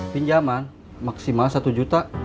pinjaman maksimal satu juta